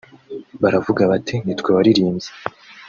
baravuga bati nitwe waririmbye